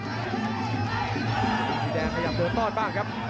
อินทุ์ศรีแดงขยับโดนตอดบ้างครับ